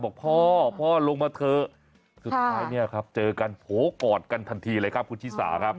บอกพ่อพ่อลงมาเถอะสุดท้ายเนี่ยครับเจอกันโผล่กอดกันทันทีเลยครับคุณชิสาครับ